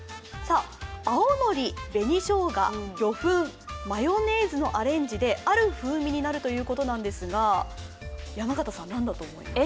青のり、紅生姜、魚粉、マヨネーズでのアレンジである風味になるということなんですが、山形さん何だと思います？